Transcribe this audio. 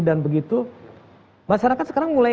dan begitu masyarakat sekarang